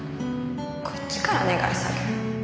こっちから願い下げよ。